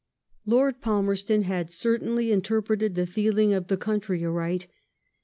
Lord Falmerston had certainly interpreted the feeling of the country aright.